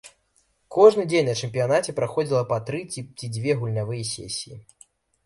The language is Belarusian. Кожны дзень на чэмпіянаце праходзіла па тры ці дзве гульнявыя сесіі.